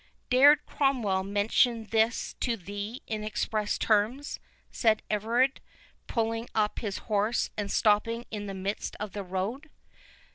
"Dared Cromwell mention this to thee in express terms?" said Everard, pulling up his horse, and stopping in the midst of the road.